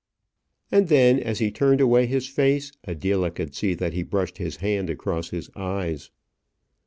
And then, as he turned away his face, Adela could see that he brushed his hand across his eyes.